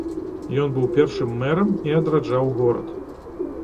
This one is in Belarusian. Ён быў першым мэрам і адраджаў горад.